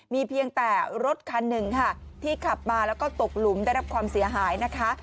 มีเพียงแต่รถคันหนึ่งค่ะที่ขับมาแล้วก็ตกหลุมได้รับความเสียหายนะคะ